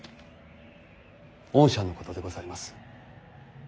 恩赦のことでございます。